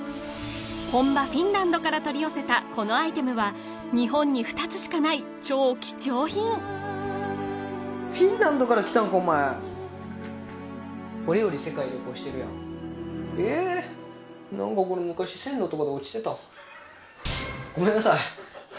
本場フィンランドから取り寄せたこのアイテムは日本に２つしかない超貴重品フィンランドから来たんかお前俺より世界旅行してるやんえっごめんなさい